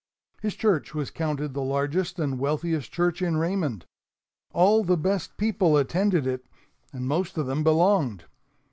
His church was counted the largest and wealthiest church in Raymond. All the best people attended it, and most of them belonged.